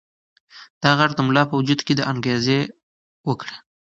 دا غږ د ملا په وجود کې انګازې وکړې.